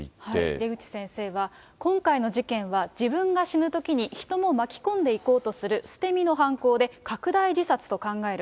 出口先生は、今回の事件は、自分が死ぬときに人も巻き込んでいこうとする捨て身の犯行で、拡大自殺と考える。